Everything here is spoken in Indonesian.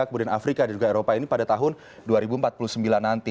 kemudian afrika dan juga eropa ini pada tahun dua ribu empat puluh sembilan nanti